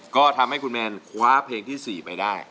ก็ทำให้คุณแมนคว้าเพลงที่๔ไปได้